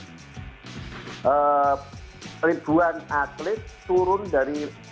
oke kita belum lagi mempertimbangkan ribuan atlet turun dari wisma